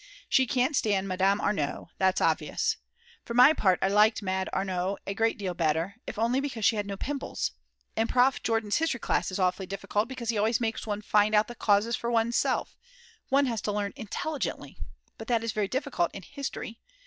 She can't stand Madame Arnau, that's obvious. For my part I liked Mad. Arnau a great deal better, if only because she had no pimples. And Prof. Jordan's History class is awfully difficult, because he always makes one find out the causes for oneself; one has to learn intelligently!, but that is very difficult in History.